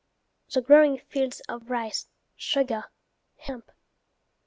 the growing fields of rice, sugar, hemp!